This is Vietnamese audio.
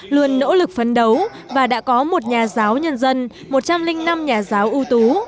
luôn nỗ lực phấn đấu và đã có một nhà giáo nhân dân một trăm linh năm nhà giáo ưu tú